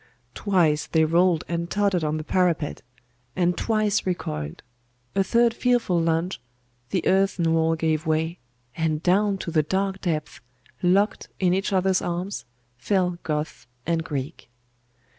Twice they rolled and tottered on the parapet; and twice recoiled. A third fearful lunge the earthen wall gave way; and down to the dark depths, locked in each other's arms, fell Goth and Greek.